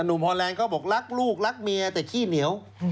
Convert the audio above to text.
ฮอแลนดเขาบอกรักลูกรักเมียแต่ขี้เหนียว